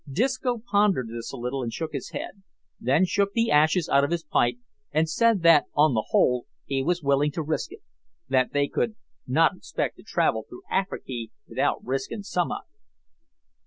Disco pondered this a little, and shook his head, then shook the ashes out of his pipe, and said that on the whole he was willing to risk it that they "could not expect to travel through Afriky without risking summat."